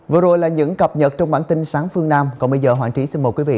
vừa rồi là những cập nhật trong bản tin sáng phương nam còn bây giờ hoạn trí xin mời quý vị